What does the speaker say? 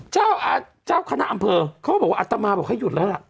เจ้าคณะอำเภอเขาก็บอกว่าอัตมาบอกให้หยุดแล้วล่ะ